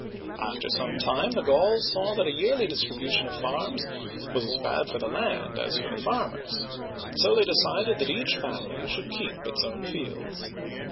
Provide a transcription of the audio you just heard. After some time the Gauls saw that a yearly distribu tion of farms was as bad for the land as for the farmers, so they decided that each family should keep its own fields.